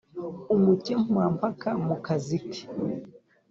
umukemurampaka mu kazi ke.